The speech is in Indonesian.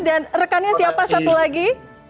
dan rekannya siapa satu lagi